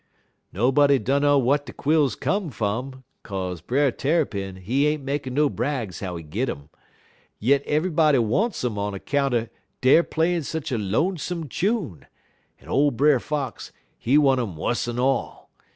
_' "Nobody dunner whar de quills cum fum, kaze Brer Tarrypin, he ain't makin no brags how he git um; yit ev'ybody wants um on account er der playin' sech a lonesome chune, en ole Brer Fox, he want um wuss'n all.